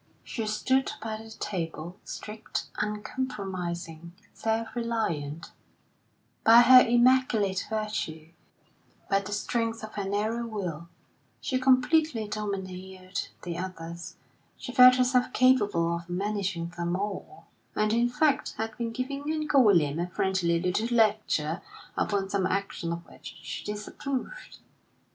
She stood by the table, straight, uncompromising, self reliant; by her immaculate virtue, by the strength of her narrow will, she completely domineered the others. She felt herself capable of managing them all, and, in fact, had been giving Uncle William a friendly little lecture upon some action of which she disapproved.